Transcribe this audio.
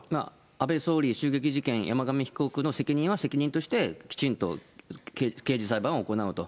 安倍総理襲撃事件、山上被告の責任は責任として、きちんと刑事裁判を行うと。